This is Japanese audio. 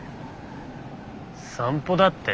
散歩だって？